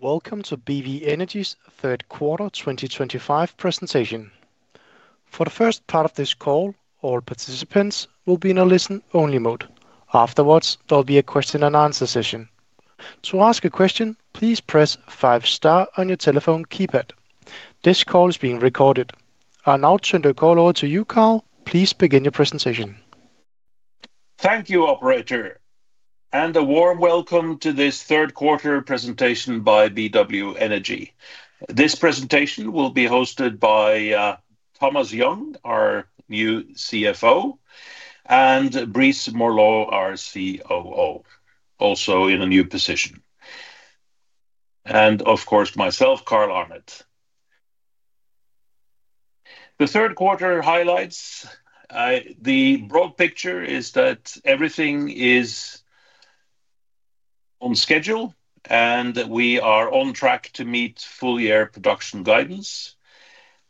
Welcome to BW Energy's Third Quarter 2025 presentation. For the first part of this call, all participants will be in a listen-only mode. Afterwards, there will be a question-and-answer session. To ask a question, please press five star on your telephone keypad. This call is being recorded. I now turn the call over to you, Carl. Please begin your presentation. Thank you, operator. And a warm welcome to this Third Quarter presentation by BW Energy. This presentation will be hosted by Thomas Young, our new CFO, and Brice Morlot, our COO, also in a new position, and of course myself, Carl Arnet. The third quarter highlights. The broad picture is that everything is on schedule and we are on track to meet full-year production guidance.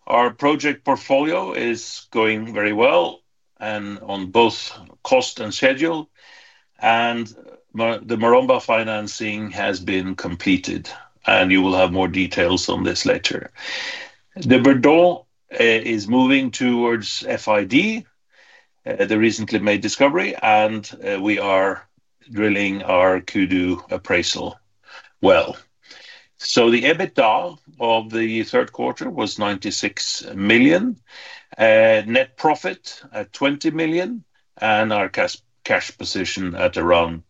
Our project portfolio is going very well on both cost and schedule, and the Maromba financing has been completed and you will have more details on this later. The Bourdon is moving towards FID, the recently made discovery, and we are drilling our Kudu appraisal well. The EBITDA of the third quarter was $96 million, net profit at $20 million, and our cash position at around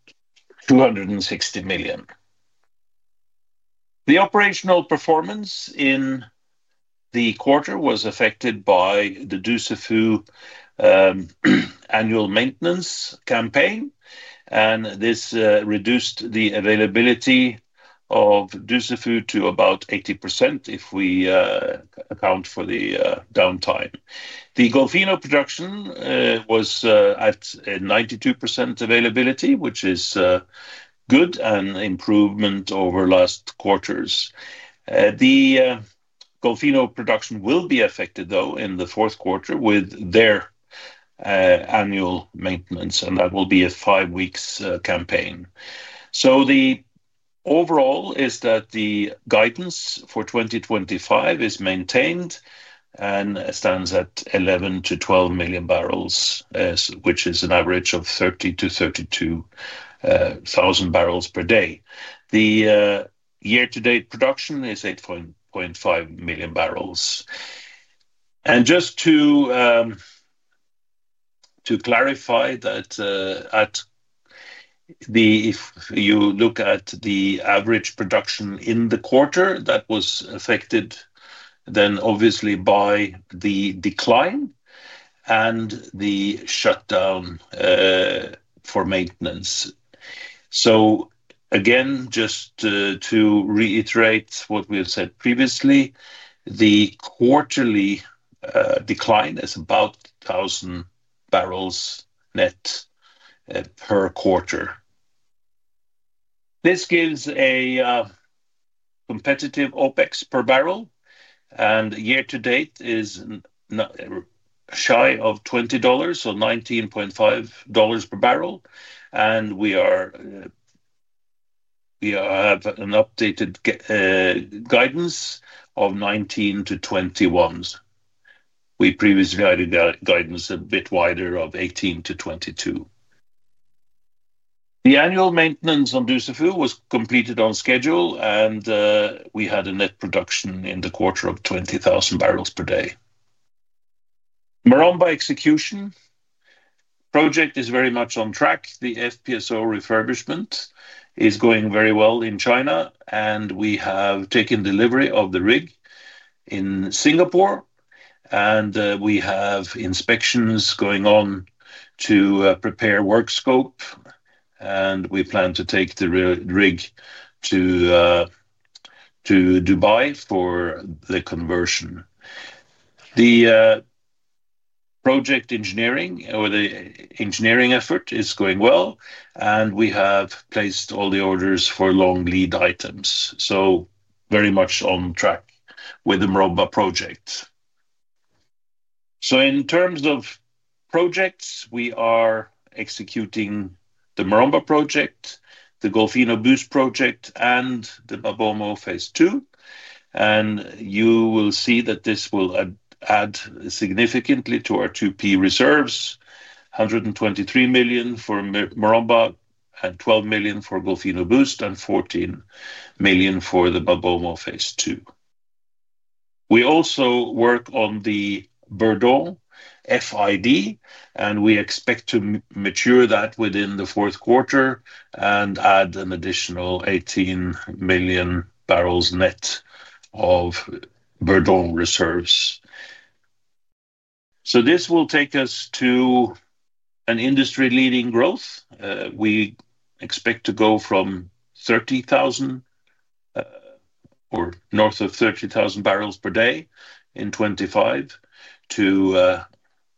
$260 million. The operational performance in the quarter was affected by the Dussafu annual maintenance campaign and this reduced the availability of Dussafu to about 80%. If we account for the downtime, the Golfinho production was at 92% availability, which is good and an improvement over last quarters. The Golfinho production will be affected though in the fourth quarter with their annual maintenance and that will be a five weeks campaign. The overall is that the guidance for 2025 is maintained and stands at 11 million-12 million barrels, which is an average of 30,000 to 32,000 barrels per day. The year-to-date production is 8.5 million barrels. Just to clarify, if you look at the average production in the quarter that was affected then obviously by the decline and the shutdown for maintenance. Again, just to reiterate what we have said previously, the quarterly decline is about 1,000 barrels net per quarter. This gives a competitive OpEx per barrel and year-to-date is shy of $20, so $19.50 per barrel and we have an updated guidance of $19 to $21. We previously had guidance a bit wider of $18 to $22. The annual maintenance on Dussafu was completed on schedule and we had a net production in the quarter of 20,000 barrels per day. Maromba execution project is very much on track. The FPSO refurbishment is going very well in China and we have taken delivery of the rig in Singapore and we have inspections going on to prepare work scope and we plan to take the rig to Dubai for the conversion. The project engineering or the engineering effort is going well and we have placed all the orders for long lead items, so very much on track with the Maromba project. In terms of projects, we are executing the Maromba project, the Golfinho Boost project, and the MaBoMo phase II, and you will see that this will add significantly to our 2P reserves. $123 million for Maromba, $12 million for Golfinho Boost, and $14 million for the MaBoMo phase II. We also work on the Bourdon FID, and we expect to mature that within the fourth quarter and add an additional 18 million barrels net of Bourdon reserves. This will take us to an industry-leading growth. We expect to go from 30,000 or north of 30,000 barrels per day in 2025 to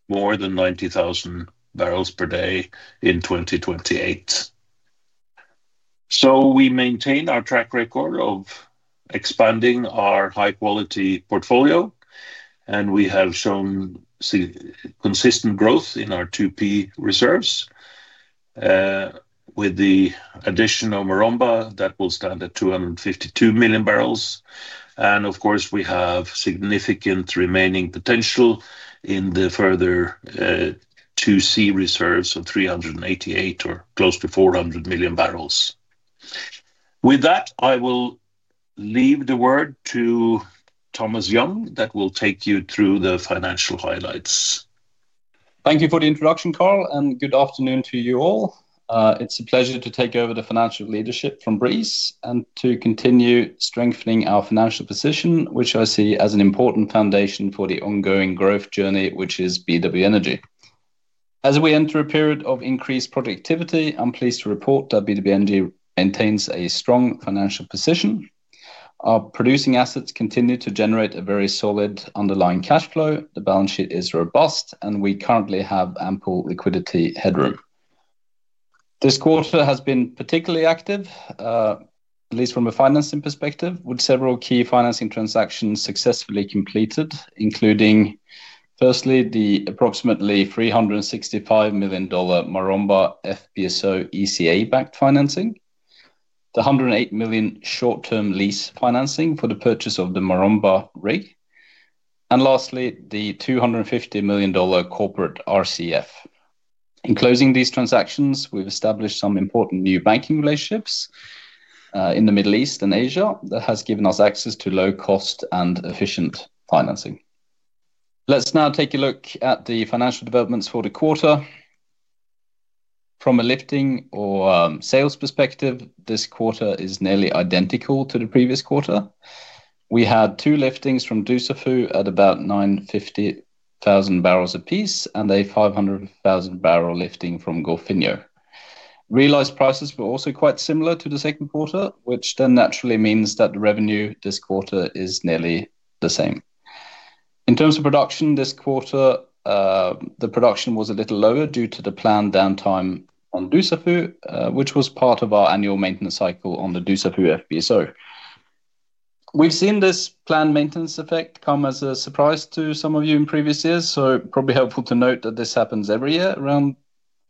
more than 90,000 barrels per day in 2028. We maintain our track record of expanding our high-quality portfolio, and we have shown consistent growth in our 2P reserves with the addition of Maromba that will stand at 252 million barrels. Of course, we have significant remaining potential in the further to see reserves of 388 or close to 400 million barrels. With that, I will leave the word to Thomas Young that will take you through the financial highlights. Thank you for the introduction, Carl, and good afternoon to you all. It's a pleasure to take over the financial leadership from Brice and to continue strengthening our financial position, which I see as an important foundation for the ongoing growth journey which is BW Energy. As we enter a period of increased productivity, I'm pleased to report that BW Energy maintains a strong financial position. Our producing assets continue to generate a very solid underlying cash flow. The balance sheet is robust, and we currently have ample liquidity headroom. This quarter has been particularly active, at least from a financing perspective, with several key financing transactions successfully completed, including firstly the approximately $365 million Maromba FPSO ECA-backed financing, the $108 million short-term lease financing for the purchase of the Maromba rig, and lastly the $250 million corporate RCF. In closing these transactions, we've established some important new banking relationships in the Middle East and Asia that have given us access to low-cost and efficient financing. Let's now take a look at the financial developments for the quarter from a lifting or sales perspective. This quarter is nearly identical to the previous quarter. We had two liftings from Dussafu at about 950,000 barrels a piece and a 500,000 barrel lifting from Golfinho. Realized prices were also quite similar to the second quarter, which then naturally means that the revenue this quarter is nearly the same. In terms of production, this quarter the production was a little lower due to the planned downtime on Dussafu, which was part of our annual maintenance cycle on the Dussafu FPSO. We've seen this planned maintenance effect come as a surprise to some of you in previous years, so probably helpful to note that this happens every year around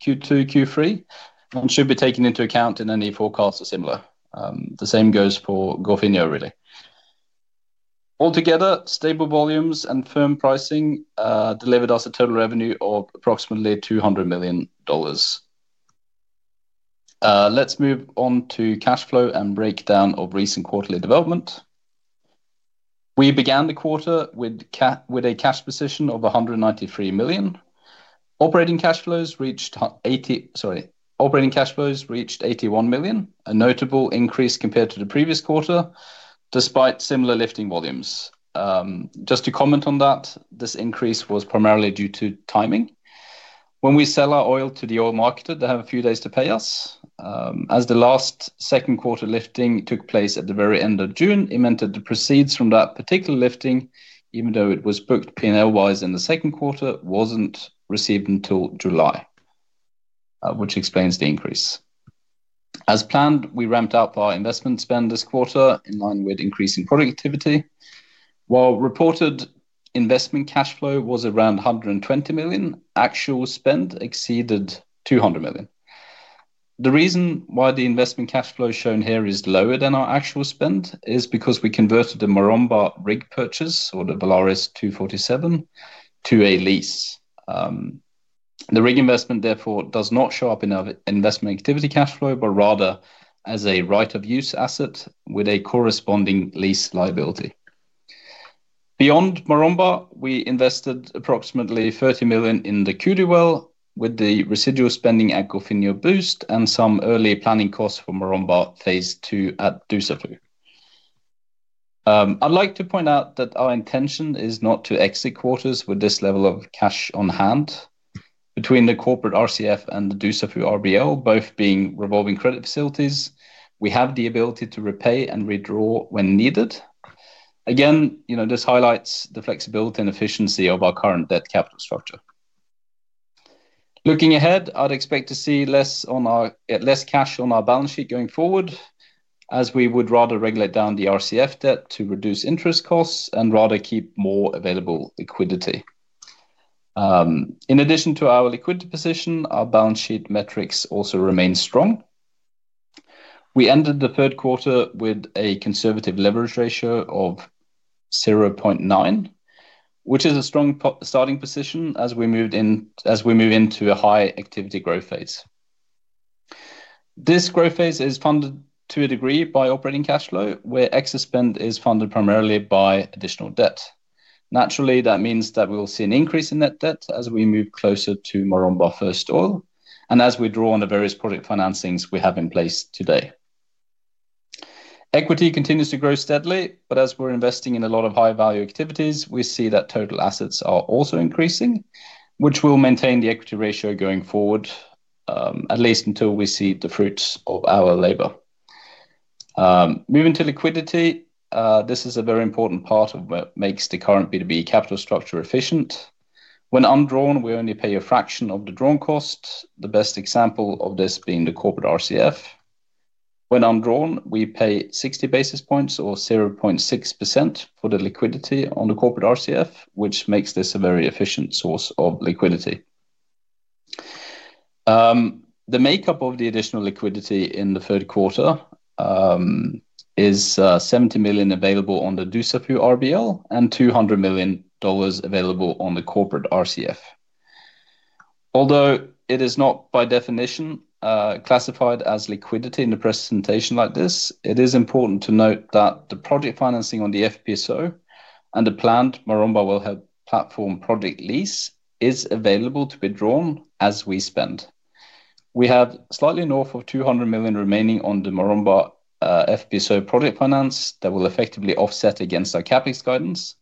Q2 and Q3 and should be taken into account in any forecast or similar. The same goes for Golfinho really. Altogether, stable volumes and firm pricing delivered us a total revenue of approximately $200 million. Let's move on to cash flow and the breakdown of recent quarterly development. We began the quarter with a cash position of $193 million. Operating cash flows reached $81 million, a notable increase compared to the previous quarter despite similar lifting volumes. Just to comment on that, this increase was primarily due to timing. When we sell our oil to the oil marketer, they have a few days to pay us. As the last second-quarter lifting took place at the very end of June, it meant that the proceeds from that particular lifting, even though it was booked P&L-wise in the second quarter, weren't received until July, which explains the increase. As planned, we ramped up our investment spend this quarter in line with increasing product activity. While reported investment cash flow was around $120 million, actual spend exceeded $200 million. The reason why the investment cash flow shown here is lower than our actual spend is because we converted the Maromba rig purchase, or the VALARIS 247, to a lease. The rig investment therefore does not show up in our investment activity cash flow, but rather as a right-of-use asset with a corresponding lease liability. Beyond Maromba, we invested approximately $30 million in the Kudu well with the residual spending at Golfinho Boost and some early planning costs for Maromba phase II at Dussafu. I'd like to point out that our intention is not to exit quarters with this level of cash on hand. Between the corporate RCF and the Dussafu RBL, both being revolving credit facilities, we have the ability to repay and redraw when needed. This highlights the flexibility and efficiency of our current debt capital structure. Looking ahead, I'd expect to see less cash on our balance sheet going forward as we would rather regulate down the RCF debt to reduce interest costs and rather keep more available liquidity. In addition to our liquidity position, our balance sheet metrics also remain strong. We ended the third quarter with a conservative leverage ratio of 0.9, which is a strong starting position as we move into a high-activity growth phase. This growth phase is funded to a degree by operating cash flow, where excess spend is funded primarily by additional debt. Naturally, that means that we will see an increase in net debt as we move closer to Maromba First Oil and as we draw on the various project financings we have in place today. Equity continues to grow steadily, but as we're investing in a lot of high-value activities, we see that total assets are also increasing, which will maintain the equity ratio going forward, at least until we see the fruits of our labor. Moving to liquidity, this is a very important part of what makes the current BW Energy capital structure efficient. When undrawn, we only pay a fraction of the drawing cost, the best example of this being the corporate RCF. When undrawn, we pay 60 basis points or 0.6% for the liquidity on the corporate RCF, which makes this a very efficient source of liquidity. The makeup of the additional liquidity in the third quarter is $70 million available on the Dussafu RBL and $200 million available on the corporate RCF, although it is not by definition classified as liquidity. In the presentation like this it is important to note that the project financing on the FPSO and a planned Maromba wellhead platform project lease is available to be drawn as we spend. We have slightly north of $200 million remaining on the Maromba FPSO project finance that will effectively offset against our CapEx guidance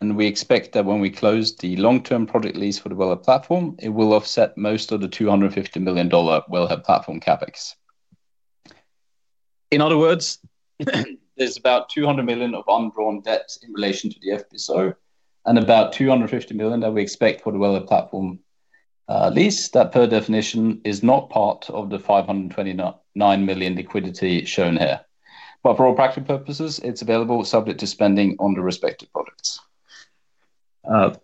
and we expect that when we close the long-term project lease for the wellhead platform it will offset most of the $250 million wellhead platform CapEx. In other words, there's about $200 million of undrawn debt in relation to the FPSO and about $250 million that we expect for the wellhead platform. At least that per definition is not part of the $529 million liquidity shown here, but for all practical purposes it's available subject to spending on the respective projects.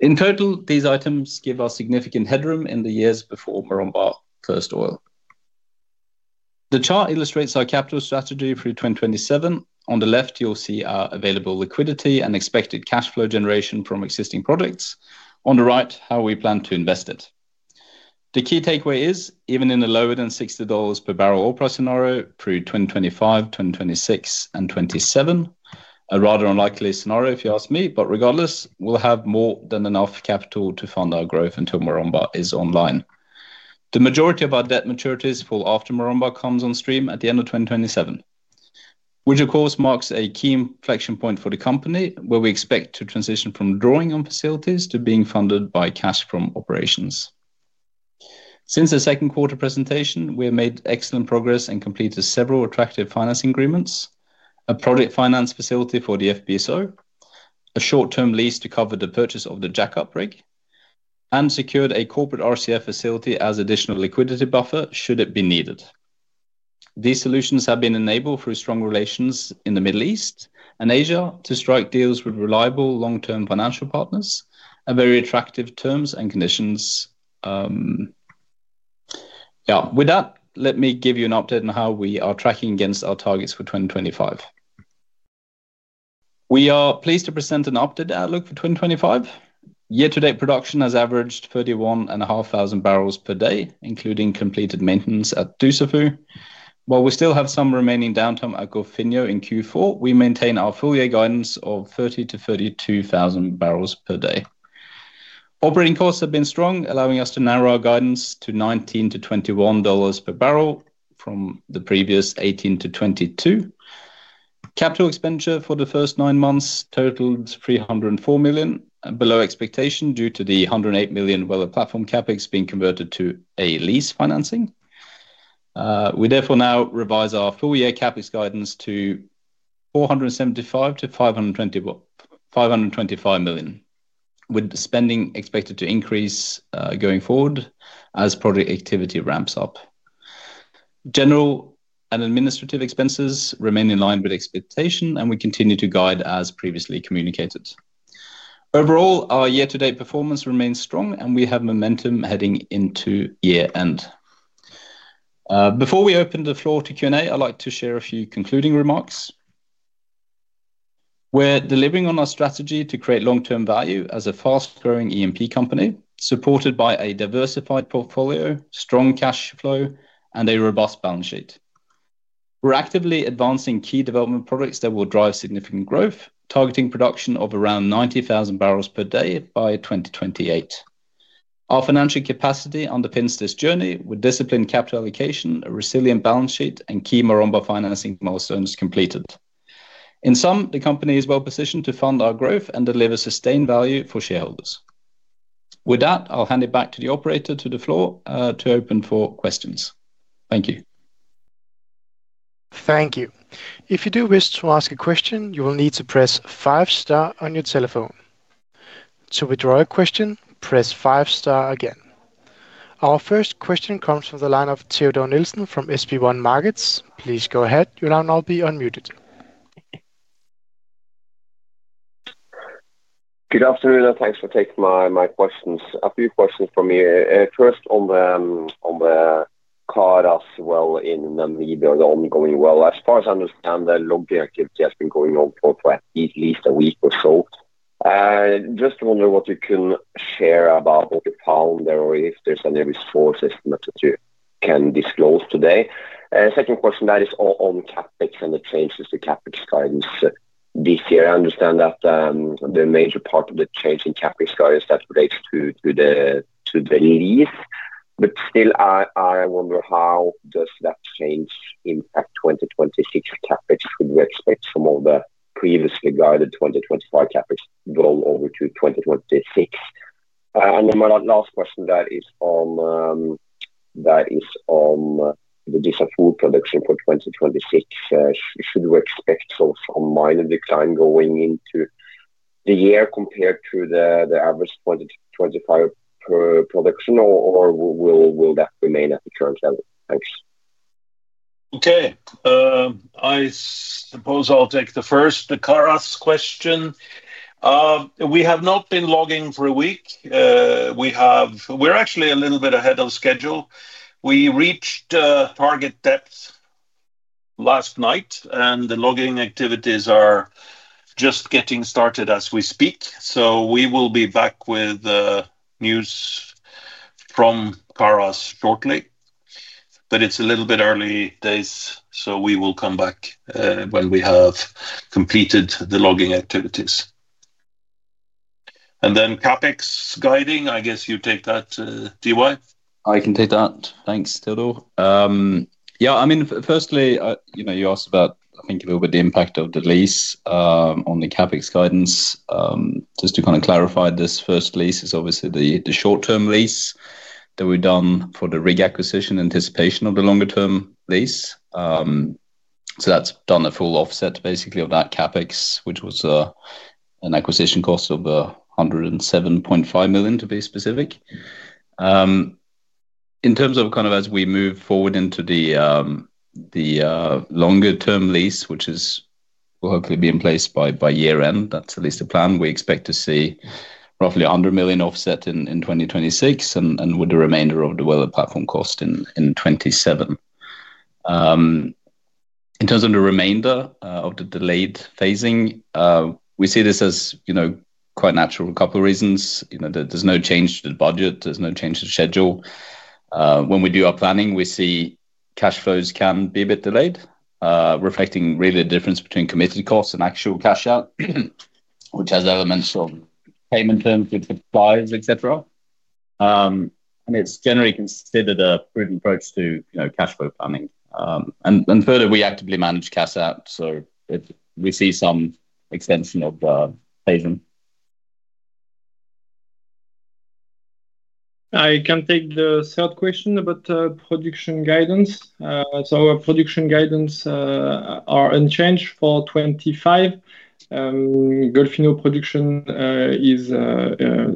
In total, these items give us significant headroom in the years before Maromba First Oil. The chart illustrates our capital strategy for 2027. On the left you'll see our available liquidity and expected cash flow generation from existing projects. On the right, how we plan to invest it. The key takeaway is even in the lower than $60 per barrel oil price scenario through 2025, 2026, and 2027, a rather unlikely scenario if you ask me, but regardless, we'll have more than enough capital to fund our growth until Maromba is online. The majority of our debt maturities fall after Maromba comes on stream at the end of 2027, which of course marks a key inflection point for the company where we expect to transition from drawing on facilities to being funded by cash from operations. Since the second quarter presentation we have made excellent progress and completed several attractive financing agreements, a project finance facility for the FPSO, a short-term lease to cover the purchase of the jack-up rig, and secured a corporate RCF facility as additional liquidity buffer should it be needed. These solutions have been enabled through strong relations in the Middle East and Asia to strike deals with reliable long-term financial partners and very attractive terms and conditions. With that, let me give you an update on how we are tracking against our targets for 2025. We are pleased to present an updated outlook for 2025. year-to-date production has averaged 31,500 barrels per day including completed maintenance at Dussafu. While we still have some remaining downtime at Golfinho in Q4, we maintain our full-year guidance of 30,000 to 32,000 barrels per day. Operating costs have been strong, allowing us to narrow our guidance to $19 to $21 per barrel from the previous $18 to $22. Capital expenditure for the first nine months totaled $304 million, below expectation due to the $108 million Weller platform CapEx being converted to a lease financing. We therefore now revise our full-year CapEx guidance to $475 to $525 million, with spending expected to increase going forward as project activity ramps up. General and administrative expenses remain in line with expectation, and we continue to guide as previously communicated. Overall, our year-to-date performance remains strong, and we have momentum heading into year-end. Before we open the floor to Q&A, I'd like to share a few concluding remarks. We're delivering on our strategy to create long-term value as a fast-growing E&P company supported by a diversified portfolio, strong cash flow, and a robust balance sheet. We're actively advancing key development projects that will drive significant growth, targeting production of around 90,000 barrels per day by 2028. Our financial capacity underpins this journey with disciplined capital allocation, a resilient balance sheet, and key Maromba financing milestones completed. In sum, the company is well-positioned to fund our growth and deliver sustained value for shareholders. With that, I'll hand it back to the operator to the floor to open for questions. Thank you. Thank you. If you do wish to ask a question, you will need to press five star on your telephone. To withdraw a question, press five-star again. Our first question comes from the line of Teodor Nilsen from SB1 Markets. Please go ahead. You will now be unmuted. Good afternoon and thanks for taking my questions. A few questions from here, first on the card as well. In Namibia, ongoing. As far as I understand, long-term activity has been going on for at least a week or so. Just wonder what you can share about what you found there or if there's any resources that you can disclose today. Second question is on CapEx and the changes to CapEx guidance this year. I understand that the major part of the change in CapEx guidance relates to the lease, but still I wonder how does that change impact 2026 CapEx? Should we expect some of the previously guided 2025 CapEx to roll over to 2026? My last question is on the diesel food production for 2026. Should we expect a minor the year compared to the average 2025 production or will that remain at the current level? Thanks. Okay, I suppose I'll take the first Kharas question. We have not been logging for a week. We're actually a little bit ahead of schedule. We reached target depth last night, and the logging activities are just getting started as we speak. We will be back with news from Kharas shortly, but it's a little bit early days. We will come back when we have completed the logging activities, and then CapEx guiding. I guess you take that, Ty. I can take that. Thanks, Teodor. Yeah, I mean firstly, you know, you asked about, I think, a little bit the impact of the lease on the CapEx guidance. Just to kind of clarify, this first lease is obviously the short lease that we've done for the rig acquisition in anticipation of the longer-term lease. That's done a full offset basically of that CapEx, which was an acquisition cost of $107.5 million, to be specific. In terms of as we move forward into the longer-term lease, which will hopefully be in place by year-end, that's at least a plan. We expect to see roughly under $1 million offset in 2026, with the remainder of the weather platform cost in 2027. In terms of the remainder of the delayed phasing, we see this as quite natural. A couple of reasons: there's no change to the budget, there's no change to schedule. When we do our planning, we see cash flows can be a bit delayed, reflecting really the difference between committed costs and actual cash out, which has elements of payment terms with suppliers, etc. It's generally considered a prudent approach to cash flow planning. Further, we actively manage cash out, so we see some extension of [Tayzn]. I can take the third question about production guidance. Production guidance are unchanged for 2025. Golfinho production is,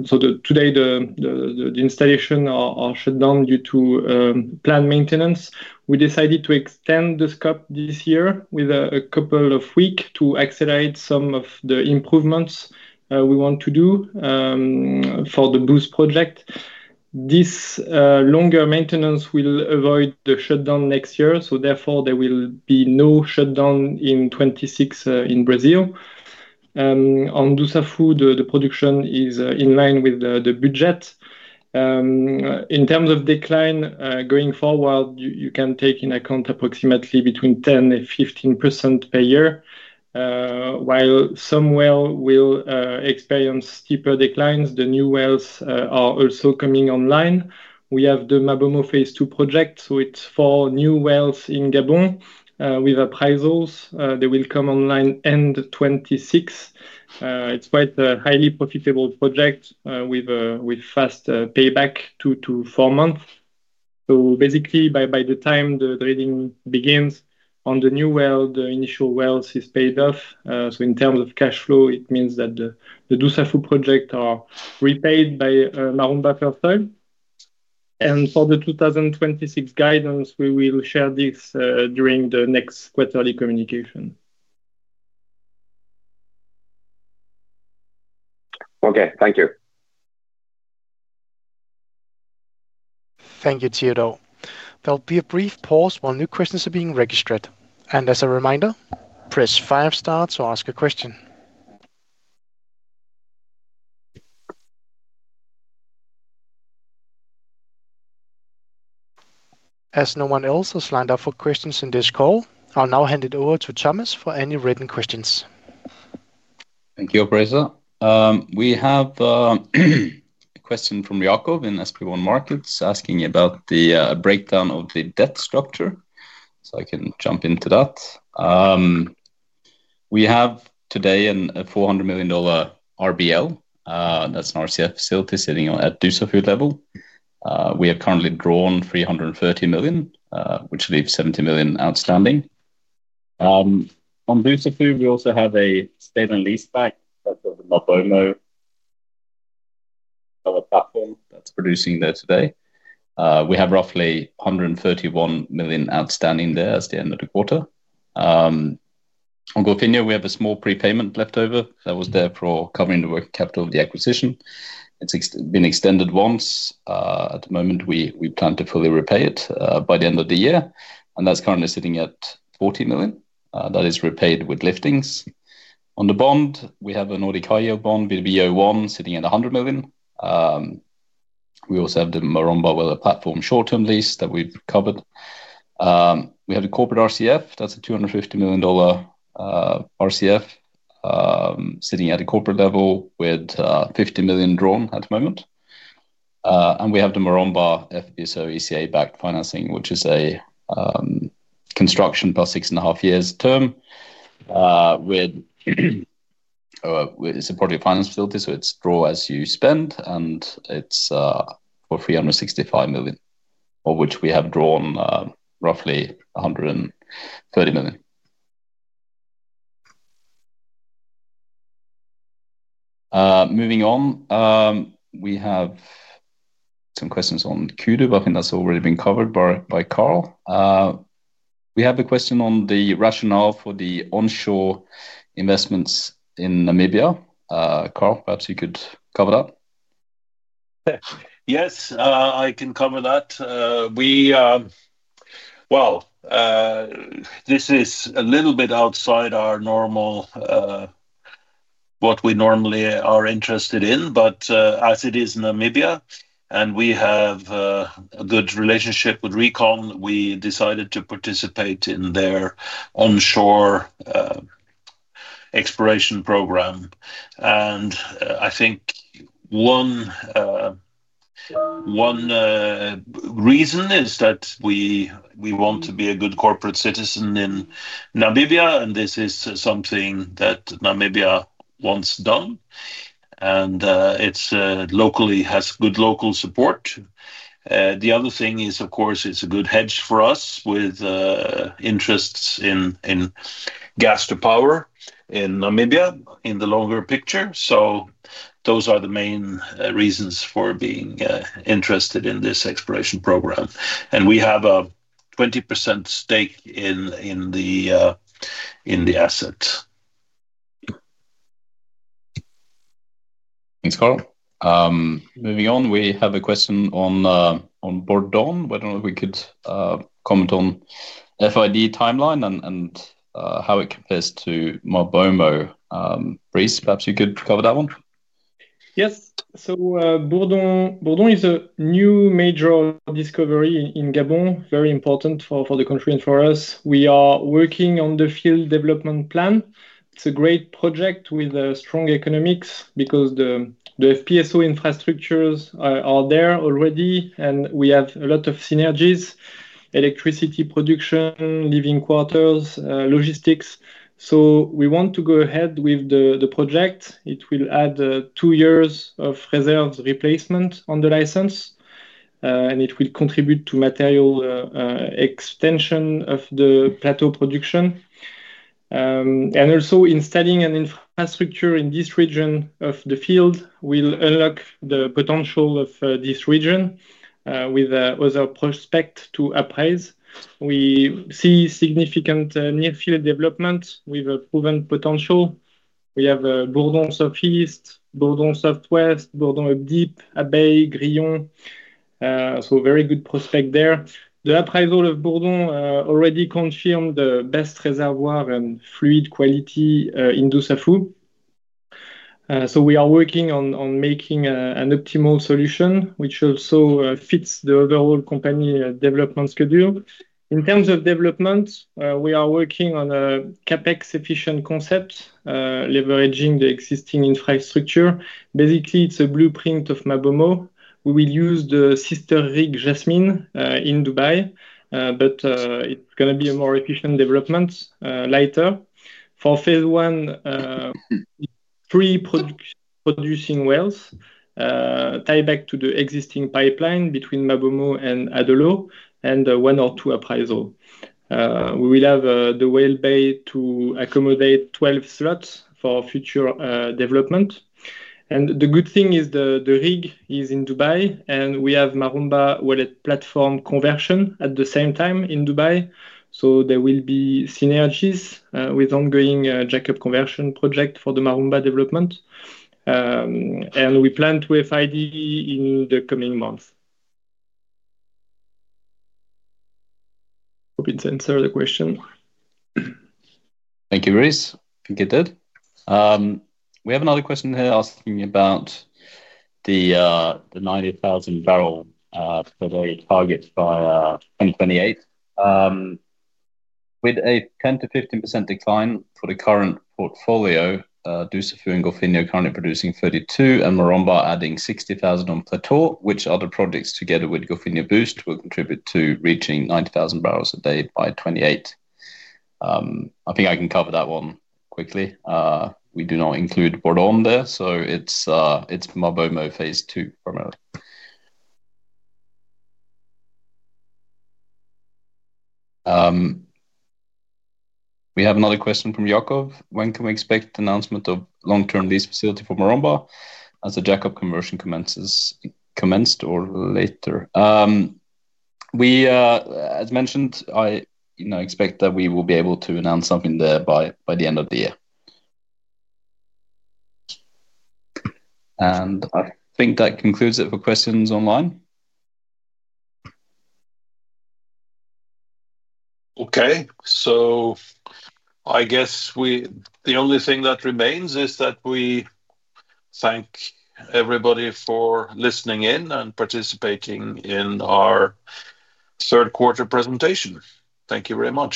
so today the installations are shut down due to planned maintenance. We decided to extend the scope this year with a couple of weeks to accelerate some of the improvements we want to do for the Boost project. This longer maintenance will avoid the shutdown next year. Therefore, there will be no shutdown in 2026. In Brazil on Dussafu, the production is in line with the budget in terms of decline going forward. You can take into account approximately between 10% and 15% per year, while some wells will experience steeper declines. The new wells are also coming online. We have the MaBoMo phase II project, so it's four new wells in Gabon with appraisals. They will come online end 2026. It's quite a highly profitable project with fast payback, two to four months. Basically, by the time the trading begins on the new well, the initial well is paid off. In terms of cash flow, it means that the Dussafu project are repaid by [their own capital] For the 2026 guidance, we will share this during the next quite early communication. Okay, thank you. Thank you, Teodor. There'll be a brief pause while new questions are being registered. As a reminder, press five star to ask a question as no one else has lined up for questions in this call. I'll now hand it over to Thomas for any written questions. Thank you. Operator. We have a question from Yaakov in SB1 Markets asking about the breakdown of the debt structure. I can jump into that. We have today a $400 million RBL. That's an RCF facility sitting at Dussafu level. We have currently drawn $330 million, which leaves $70 million outstanding on Dussafu. We also have a state and lease Bank platform that's producing there today. We have roughly $131 million outstanding there as of the end of the quarter. On Golfinho, we have a small prepayment leftover that was there for covering the working capital of the acquisition. It's been extended once. At the moment, we plan to fully repay it by the end of the year and that's currently sitting at $40 million. That is repaid with liftings on the bond. We have a Nordic IO bond VO1 sitting at $100 million. We also have the Maromba well, a platform short-term lease that we've covered. We have the corporate RCF that's a $250 million RCF sitting at the corporate level with $50 million drawn at the moment. We have the Maromba FPSO ECA-backed financing, which is a construction per six and a half years term with it's a part of your finance facility. It's draw as you spend and it's for $365 million, of which we have drawn roughly $130 million. Moving on, we have some questions on Q3. I think that's already been covered by Carl. We have a question on the rationale for the onshore investments in Namibia. Carl, perhaps you could cover that. Yes, I can cover that. This is a little bit outside what we normally are interested in, but as it is Namibia and we have a good relationship with Recon, we decided to participate in their onshore exploration program. I think one reason is that we want to be a good corporate citizen in Namibia, and this is something that Namibia wants done and it has good local support. The other thing is of course it's a good hedge for us with interests in gas to power in Namibia in the longer picture. Those are the main reasons for being interested in this exploration program, and we have a 20% stake in the asset. Thanks, Carl. Moving on, we have a question on Bourdon, whether or not we could comment on FID timeline and how it compares to MaBoMo, Brice. Perhaps you could cover that one. Yes. Bourdon is a new major discovery in Gabon. Very important for the country and for us. We are working on the field development plan. It's a great project with strong economics because the FPSO infrastructures are there already, and we have a lot of synergies: electricity production, living quarters, logistics. We want to go ahead with the project. It will add two years of reserves replacement on the license, and it will contribute to material extension of the plateau production. Also, in studying an infrastructure in this region of the field, we'll unlock the potential of this region with other prospects to uprise. We see significant near-field development with a proven potential. We have Bourdon Southeast, Bourdon Southwest, Bourdon Deep, [Abay, Grillon]. Very good prospects there. The appraisal of Bourdon already confirmed the best reservoir and fluid quality in Dussafu. We are working on making an optimal solution which also fits the overall company development schedule. In terms of development, we are working on a CapEx-efficient concept leveraging the existing infrastructure. Basically, it's a blueprint of MaBoMo. We will use the sister rig Jasmin in Dubai, but it's going to be a more efficient development later. For phase I, three producing wells tie back to the existing pipeline between MaBoMo and Adolo, and one or two appraisals. We will have the well bay to accommodate 12 slots for future development. The good thing is the rig is in Dubai, and we have Maromba wallet platform conversion at the same time in Dubai. There will be synergies with ongoing jackup conversion project for the Maromba development, and we plan to FID in the coming months. Hope it answered the question. Thank you, Brice. Thank you [Teod] We have another question here asking about the 90,000 barrel per day target by 2028 with a 10 to 15% decline for the current portfolio. Dussafu and Golfinho currently producing 32 and Maromba adding 60,000 on plateau. Which other projects together with Golfinho Boost will contribute to reaching 90,000 barrels a day by 2028? I think I can cover that one quickly. We do not include Bourdon there, so it's MaBoMo phase II. We have another question from Yaakov. When can we expect announcement of long-term lease facility for Maromba, as the jackup conversion commenced or later? As mentioned, I expect that we will be able to announce something there by the end of the year and I think that concludes it for questions online. Okay, I guess the only thing that remains is that we thank everybody for listening in and participating in our Third Quarter presentation. Thank you very much.